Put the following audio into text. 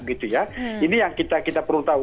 ini yang kita perlu tahu